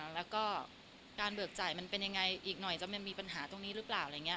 แล้วก็การเบิกจ่ายมันเป็นยังไงอีกหน่อยจะมีปัญหาตรงนี้หรือเปล่าอะไรอย่างนี้